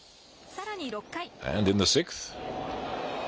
さらに６回。